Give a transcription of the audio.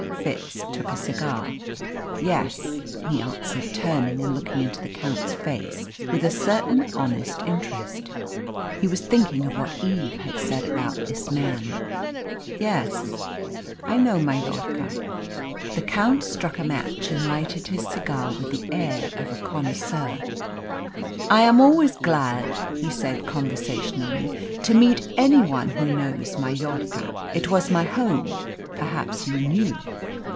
Fitz took a cigar. "Yes," he answered, turning and looking into the Count's face with a certain honest interest. He was thinking of what Eve had said about this man. "Yes I know Mallorca." The Count struck a match and lighted his cigar with the air of a connoisseur. "I am always glad," he said conversationally, "to meet any one who knows Mallorca. It was my home. Perhaps you knew?"